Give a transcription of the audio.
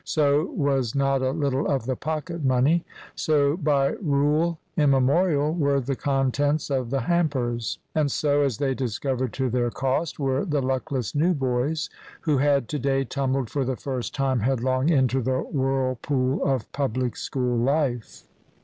So was not a little of the pocket money. So, by rule immemorial, were the contents of the hampers. And so, as they discovered to their cost, were the luckless new boys who had to day tumbled for the first time headlong into the whirlpool of public school life.